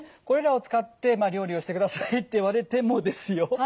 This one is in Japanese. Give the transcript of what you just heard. これらを使ってまあ料理をしてくださいって言われてもですよ